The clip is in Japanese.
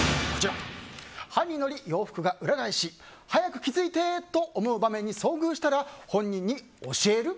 歯にのり洋服が裏返し早く気づいてと思う場面に遭遇したら本人に教える？